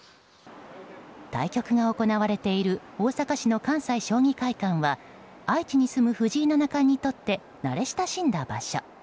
対局が行われている大阪市の関西将棋会館は愛知に住む藤井七冠にとって慣れ親しんだ場所。